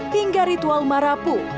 tinggal ritual marapu